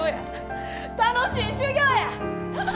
楽しい修業や！